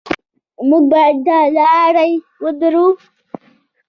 موږ باید دا لړۍ ودروو.